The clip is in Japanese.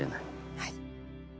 はい。